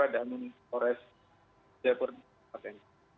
dan men foress di akurasi